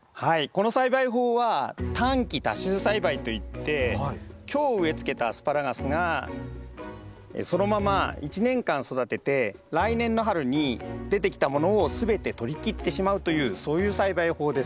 この栽培法は短期多収栽培といって今日植えつけたアスパラガスがそのまま１年間育てて来年の春に出てきたものを全てとりきってしまうというそういう栽培法です。